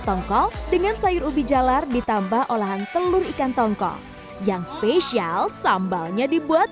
tongkol dengan sayur ubi jalar ditambah olahan telur ikan tongkol yang spesial sambalnya dibuat